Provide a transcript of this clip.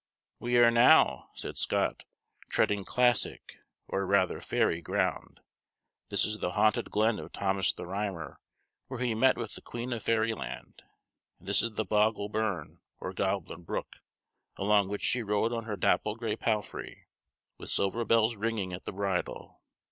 We are now, said Scott, treading classic, or rather fairy ground. This is the haunted glen of Thomas the Rhymer, where he met with the queen of fairy land, and this the bogle burn, or goblin brook, along which she rode on her dapple gray palfrey, with silver bells ringing at the bridle.